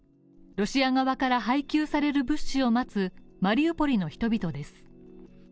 ロシア側から配給される物資を待つマリウポリの人々です。